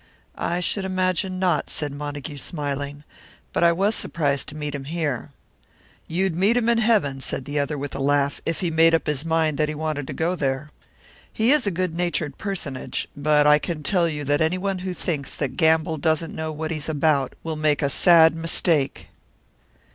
"I should imagine not," said Montague, smiling. "But I was surprised to meet him here." "You'd meet him in heaven," said the other, with a laugh, "if he made up his mind that he wanted to go there. He is a good natured personage; but I can tell you that anyone who thinks that Gamble doesn't know what he's about will make a sad mistake."